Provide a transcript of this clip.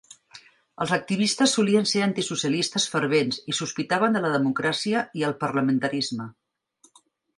Els activistes solien ser antisocialistes fervents i sospitaven de la democràcia i el parlamentarisme.